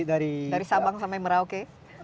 dari sabang sampai merauke